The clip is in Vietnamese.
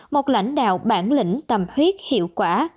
một lãnh đạo bản lĩnh tầm huyết hiệu quả